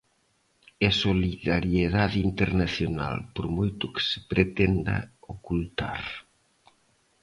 E solidariedade internacional, por moito que se pretenda ocultar.